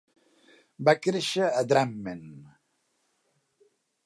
Va créixer a Drammen.